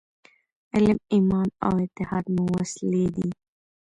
علم، ایمان او اتحاد مو وسلې دي.